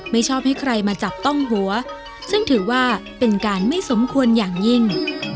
ไม่ชอบให้ใครมาจับต้องหัวซึ่งถือว่าเป็นการไม่สมควรอย่างยิ่ง